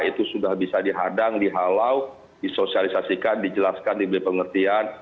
itu sudah bisa dihadang dihalau disosialisasikan dijelaskan diberi pengertian